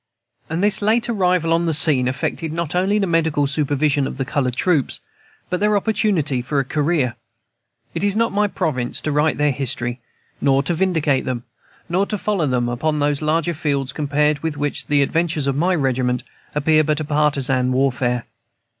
And this late arrival on the scene affected not only the medical supervision of the colored troops, but their opportunity for a career. It is not my province to write their history, nor to vindicate them, nor to follow them upon those larger fields compared with which the adventures of my regiment appear but a partisan warfare.